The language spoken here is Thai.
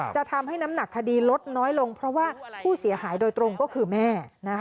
จะทำให้น้ำหนักคดีลดน้อยลงเพราะว่าผู้เสียหายโดยตรงก็คือแม่